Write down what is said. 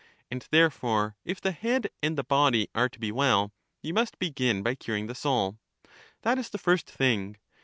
And therefore if the head and the body are to be well, you must begin by curing the soul; that is the first thing.